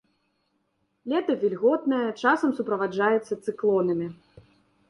Лета вільготнае, часам суправаджаецца цыклонамі.